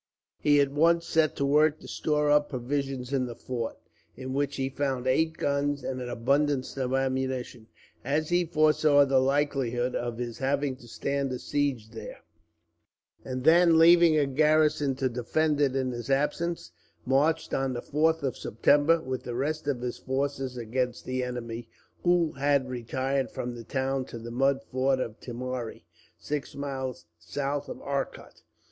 He at once set to work to store up provisions in the fort, in which he found eight guns and an abundance of ammunition, as he foresaw the likelihood of his having to stand a siege there; and then, leaving a garrison to defend it in his absence, marched on the 4th of September with the rest of his forces against the enemy, who had retired from the town to the mud fort of Timari, six miles south of Arcot.